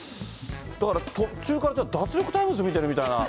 だから、途中から脱力タイムズ見てるみたいな。